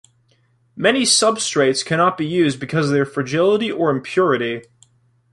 Many substrates cannot be used because of their fragility or impurity.